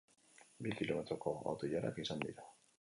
Bi kilometroko auto-ilarak izan dira.